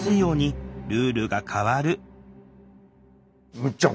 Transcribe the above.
むっちゃん